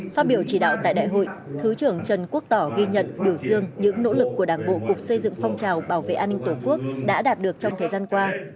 phát biểu chỉ đạo tại đại hội thứ trưởng trần quốc tỏ ghi nhận biểu dương những nỗ lực của đảng bộ cục xây dựng phong trào bảo vệ an ninh tổ quốc đã đạt được trong thời gian qua